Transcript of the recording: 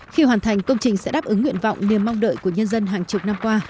khi hoàn thành công trình sẽ đáp ứng nguyện vọng niềm mong đợi của nhân dân hàng chục năm qua